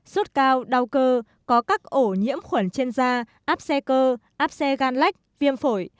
sốt cao đau cơ có các ổ nhiễm khuẩn trên da áp xe cơ áp xe gan lách viêm phổi